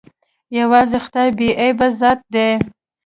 يوازې خداى بې عيبه ذات ديه.